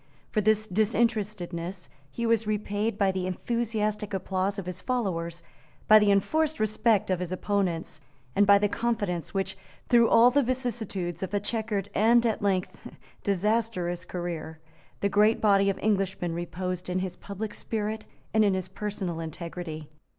For this disinterestedness he was repaid by the enthusiastic applause of his followers, by the enforced respect of his opponents, and by the confidence which, through all the vicissitudes of a chequered and at length disastrous career, the great body of Englishmen reposed in his public spirit and in his personal integrity.